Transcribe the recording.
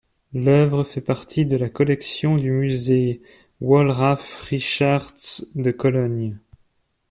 L’œuvre fait partie de la collection du musée Wallraf-Richartz de Cologne.